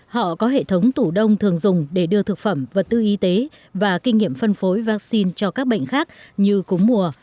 họ có hệ thống tủ đông thường dùng để đưa thực phẩm vật tư y tế và kinh nghiệm phân phối vaccine cho các bệnh khác như cúng mùa